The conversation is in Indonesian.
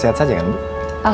sejak tiga tahun yang lalu